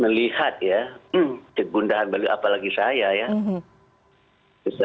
melihat ya kegundahan beliau apalagi saya ya